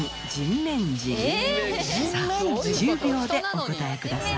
さあ１０秒でお答えください。